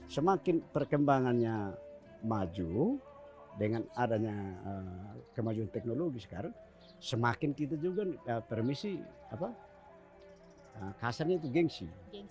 semakin perkembangannya maju dengan adanya kemajuan teknologi sekarang semakin kita juga permisi kasarnya itu gengsi